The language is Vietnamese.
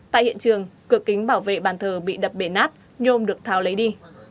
tại hiện trường cửa kính bảo vệ bàn thờ bị đập bể nát nhôm được tháo lấy đi